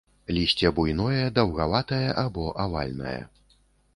Лісце буйное даўгаватае або авальнае.